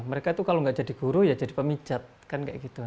mereka itu kalau nggak jadi guru ya jadi pemijat kan kayak gitu